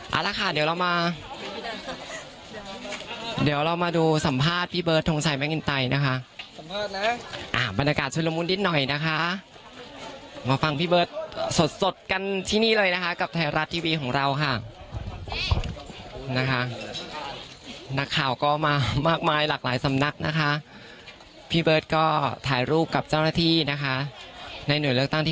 เอาละค่ะเดี๋ยวเรามาเดี๋ยวเรามาดูสัมภาษณ์พี่เบิร์ดทรงชัยมะกินไตนะคะ